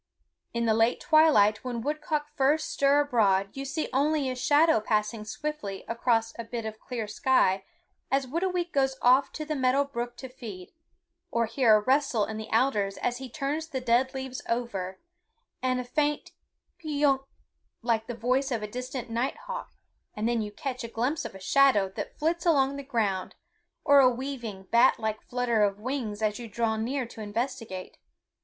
In the late twilight when woodcock first stir abroad you see only a shadow passing swiftly across a bit of clear sky as Whitooweek goes off to the meadow brook to feed, or hear a rustle in the alders as he turns the dead leaves over, and a faint peeunk, like the voice of a distant night hawk, and then you catch a glimpse of a shadow that flits along the ground, or a weaving, batlike flutter of wings as you draw near to investigate.